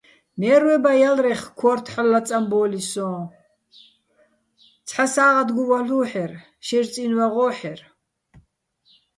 ნე́რვებაჲალრეხ ქო́რთო̆ ჰ̦ალო̆ ლაწამბო́ლირ სოჼ, ცჰ̦ა სა́ღათ გუვალ'უჰ̦ერ, შეჲრ წინი̆ ვაღო́ჰ̦ერ.